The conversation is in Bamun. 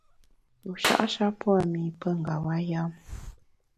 Yusha’ sha pua’ mi pe ngeba yam.